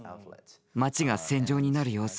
街が戦場になる様子。